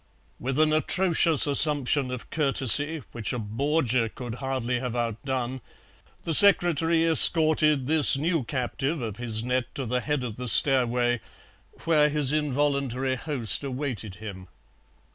With an atrocious assumption of courtesy, which a Borgia could hardly have outdone, the secretary escorted this new captive of his net to the head of the stairway, where his involuntary host awaited him.